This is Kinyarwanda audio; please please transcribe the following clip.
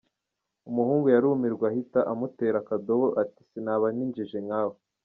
Umuhungu yarumirwa ahita amutera akadobo ati sinabana n’injiji nkawe !!.